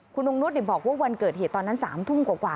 คุณลุงนุษย์บอกว่าวันเกิดเหตุตอนนั้น๓ทุ่มกว่า